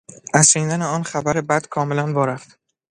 از شنیدن آن خبر بد کاملا وا رفت.